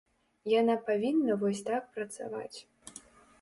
Яна павінна вось так працаваць.